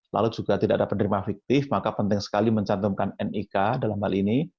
lalu juga tidak ada penerima fiktif maka penting sekali mencantumkan nik dalam hal ini